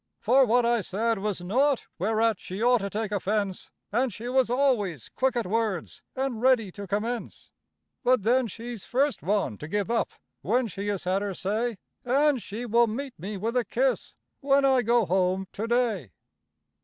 For what I said was naught whereat she ought to take offense; And she was always quick at words and ready to commence. But then she's first one to give up when she has had her say; And she will meet me with a kiss, when I go home to day.